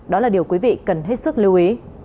đó là điều quý vị cần hết sức lưu ý